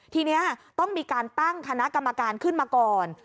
ทีนี้ต้องมีการตั้งคณะกรรมการขึ้นมาก่อน